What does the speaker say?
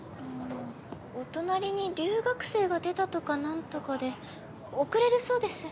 お隣に留学生が出たとかなんとかで遅れるそうです。